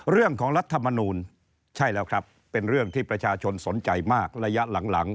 รัฐมนูลใช่แล้วครับเป็นเรื่องที่ประชาชนสนใจมากระยะหลัง